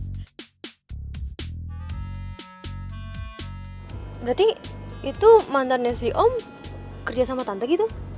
berarti itu mantannya si om kerja sama tante gitu